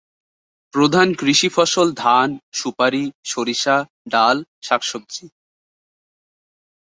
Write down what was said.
প্রধান কৃষি ফসল ধান, সুপারি, সরিষা, ডাল, শাকসবজি।